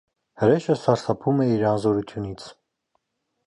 Հրեշը սարսափում է իր անզորությունից։